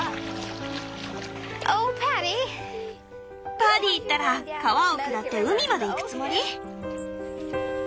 パディったら川を下って海まで行くつもり？